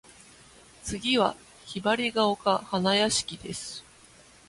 次は雲雀丘花屋敷（ひばりがおかはなやしき）です。